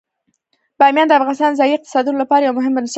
بامیان د افغانستان د ځایي اقتصادونو لپاره یو مهم بنسټ دی.